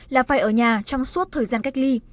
là phải ở nhà trong suốt thời gian cách ly